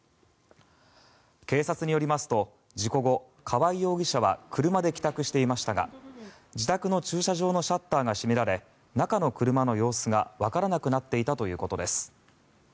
警察によりますと事故後、川合容疑者は車で帰宅していましたが自宅の駐車場のシャッターが閉められ中の車の様子がわからなくなっていたということです。